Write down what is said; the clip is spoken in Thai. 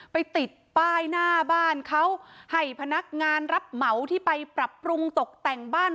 ไปติดป้ายหน้าบ้านเขาให้พนักงานรับเหมาที่ไปปรับปรุงตกแต่งบ้าน